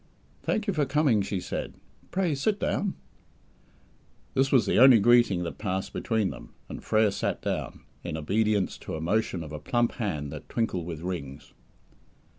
"Thank you for coming," she said. "Pray, sit down." This was the only greeting that passed between them, and Frere sat down, in obedience to a motion of a plump hand that twinkled with rings.